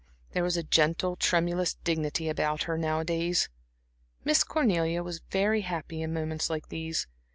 There was a gentle, tremulous dignity about her nowadays. Miss Cornelia was very happy in moments like these.